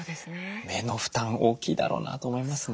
目の負担大きいだろうなと思いますね。